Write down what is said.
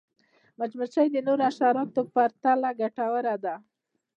مچمچۍ د نورو حشراتو په پرتله ګټوره ده